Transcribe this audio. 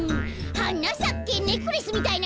「はなさけネックレスみたいなはな」